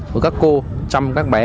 của các cô chăm các bé